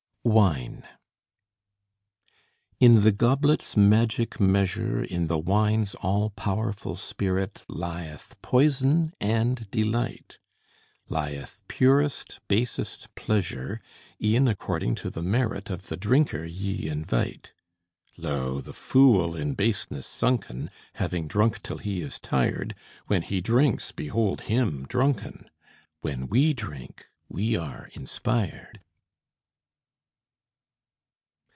WINE In THE goblet's magic measure, In the wine's all powerful spirit, Lieth poison and delight: Lieth purest, basest pleasure, E'en according to the merit Of the drinker ye invite. Lo, the fool in baseness sunken, Having drunk till he is tired, When he drinks, behold him drunken; When we drink, we are inspired.